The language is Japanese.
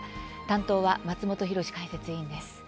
担当は松本浩司解説委員です。